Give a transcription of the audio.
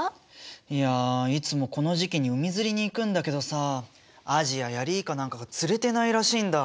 いやいつもこの時期に海釣りに行くんだけどさアジやヤリイカなんかが釣れてないらしいんだ。